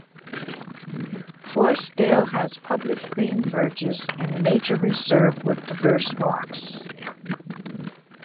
Forestdale has public green verges and a nature reserve with diverse walks.